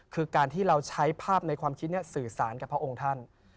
คือการที่เราใช้ภาพในความคิดนี้สื่อสารกับพระองค์ท่าน